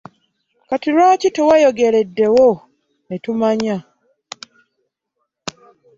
Kati lwaki tewayogereddewo ne tumanya?